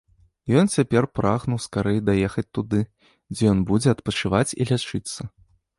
Ён цяпер прагнуў скарэй даехаць туды, дзе ён будзе адпачываць і лячыцца.